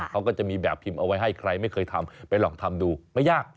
เขาก็จะมีแบบพิมพ์เอาไว้ให้ใครไม่เคยทำไปลองทำดูไม่ยาก